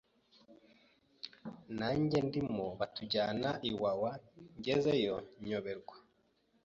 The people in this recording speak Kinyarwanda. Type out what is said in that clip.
nanjye ndimo batujyana iwawa ngezeyo nyoberwa